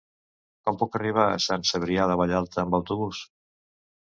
Com puc arribar a Sant Cebrià de Vallalta amb autobús?